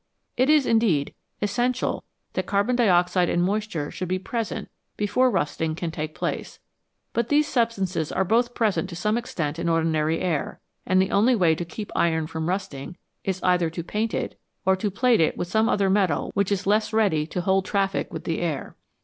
It is, indeed, essential that carbon dioxide and moisture should be present before rusting can take place, but these substances are both present to some extent in ordinary air, and the only way to keep iron from rusting is either to paint it, or to plate it with some other metal which is less ready to hold traffic with the air.